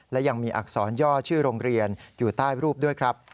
และยังมีอักษรย่อชื่อโรงเรียนอยู่ใต้รูปด้วยครับ